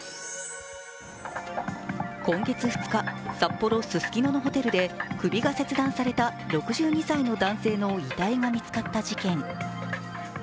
今月２日札幌・ススキノのホテルで首が切断された６２歳の男性の遺体が見つかった事件。